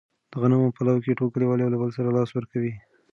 د غنمو په لو کې ټول کلیوال یو له بل سره لاس ورکوي.